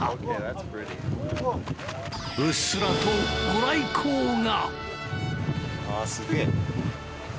うっすらとご来光が！